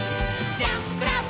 「ジャンプ！クラップ！